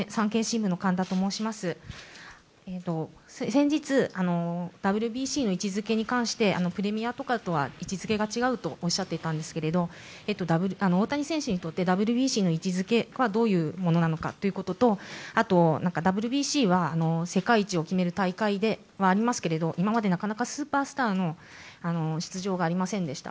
先日、ＷＢＣの位置づけに関してプレミアとは位置づけが違うとおっしゃっていたんですが大谷選手にとってＷＢＣの位置づけはどうなのかということとＷＢＣは世界一を決める大会ではありますが今までなかなかスーパースターの出場がありませんでした。